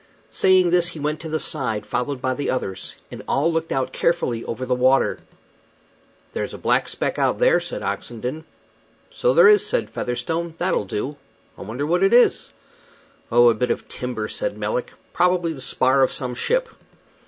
Saying this, he went to the side, followed by the others, and all looked out carefully over the water. "There's a black speck out there," said Oxenden. "So there is," said Featherstone. "That'll do. I wonder what it is?" "Oh, a bit of timber," said Melick. "Probably the spar of some ship."